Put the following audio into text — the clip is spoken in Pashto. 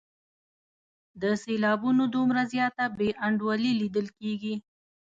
د سېلابونو دومره زیاته بې انډولي لیدل کیږي.